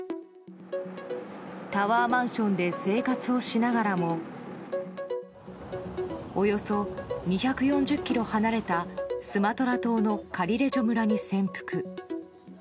タワーマンションで生活をしながらもおよそ２４０ｋｍ離れたスマトラ島のカリレジョ村に潜伏。